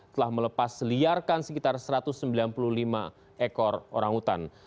telah melepas liarkan sekitar satu ratus sembilan puluh lima ekor orang utan